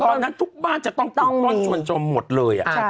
ตอนนั้นทุกบ้านจะต้องปลูกต้นชวนจมหมดเลย